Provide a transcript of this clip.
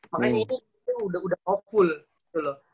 makanya ini udah off full